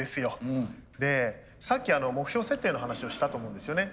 さっき目標設定の話をしたと思うんですよね。